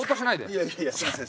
いやいやすみません。